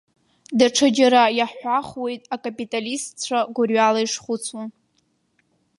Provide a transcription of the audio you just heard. Даҽаџьара иаҳәахуеит акапиталистцәа гәырҩала ишхәыцуа.